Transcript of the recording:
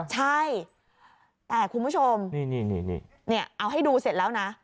ใช่แต่คุณผู้ชมนี่เอาให้ดูเสร็จแล้วนะ